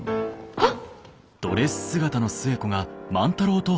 あっ！